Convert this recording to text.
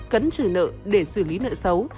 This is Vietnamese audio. cấn trừ nợ để xử lý nợ xấu